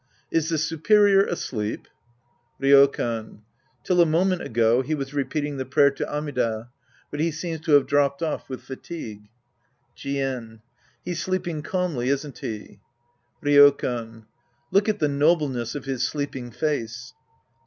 Is the superior asleep ? Rydkan. Till a moment ago he was repeating the prayer to Amida, but he seems to have dropped off with fatigue. Jien. He's sleeping calmly, isn't he ? Rydkan. Look at the nobleness of his sleeping face.